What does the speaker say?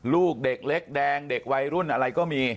ลูกเด็กเล็กแดงเด็กวัยรุ่นอะไรก็มี